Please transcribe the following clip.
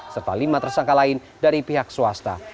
serta lima tersangka lain dari pihak swasta